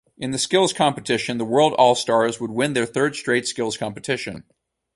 In the Skills Competition, the World All-Stars would win their third-straight skills competition.